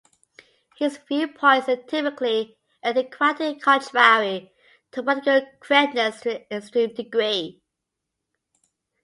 His viewpoints are typically antiquated and contrary to political correctness to an extreme degree.